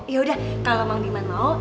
yaudah kalau mang dimang mau